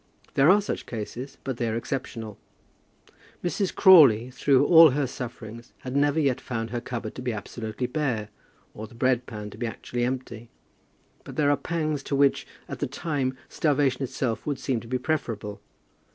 There are such cases, but they are exceptional. Mrs. Crawley, through all her sufferings, had never yet found her cupboard to be absolutely bare, or the bread pan to be actually empty. But there are pangs to which, at the time, starvation itself would seem to be preferable.